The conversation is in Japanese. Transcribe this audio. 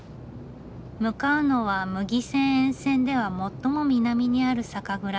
向かうのは牟岐線沿線では最も南にある酒蔵。